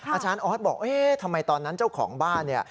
อาจารย์ออสบอกเอ๊ะทำไมตอนนั้นเจ้าของบ้านเนี่ย